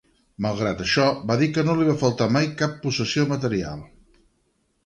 Malgrat això, va dir que no li va faltar mai cap possessió material.